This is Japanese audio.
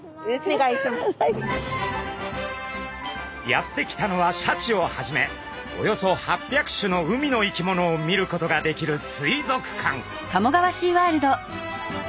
やって来たのはシャチをはじめおよそ８００種の海の生き物を見ることができる水族館。